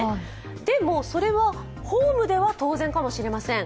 でも、それはホームでは当然かもしれません。